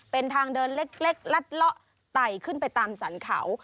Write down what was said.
เป็นทางเดินเล็กลัดเลาะไต่ขึ้นไปตามสรรเขา